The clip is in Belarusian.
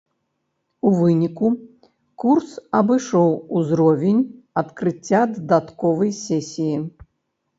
У выніку курс абышоў узровень адкрыцця дадатковай сесіі.